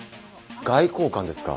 外交官ですか。